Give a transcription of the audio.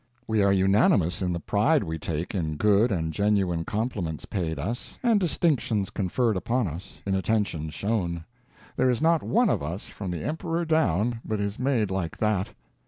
We are unanimous in the pride we take in good and genuine compliments paid us, and distinctions conferred upon us, in attentions shown. There is not one of us, from the emperor down, but is made like that.